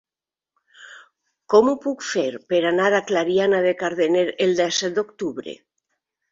Com ho puc fer per anar a Clariana de Cardener el disset d'octubre?